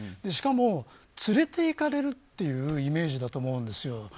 しかも、連れていかれるというイメージだと思うんですよ。